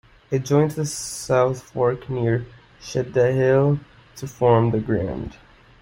It joins the South Fork near Shadehill to form the Grand.